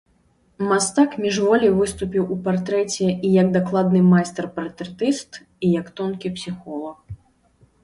Мастак міжволі выступіў у партрэце і як дакладны майстар-партрэтыст, і як тонкі псіхолаг.